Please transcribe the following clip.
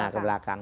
nah ke belakang